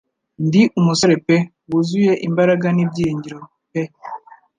Ndi umusore pe wuzuye imbaraga n'ibyiringiro pe